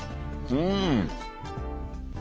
うん！